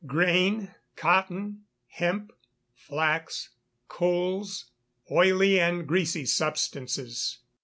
Grain, cotton, hemp, flax, coals, oily and greasy substances.